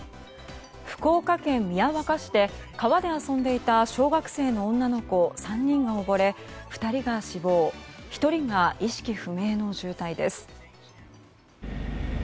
福岡県宮若市で川で遊んでいた小学生の女の子３人が溺れ２人が死亡１人が意識不明の重体です。